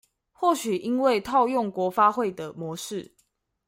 或許因為套用國發會的模式